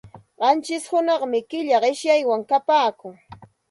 Qanchish hunaqmi killa qishyaywan kapaakun.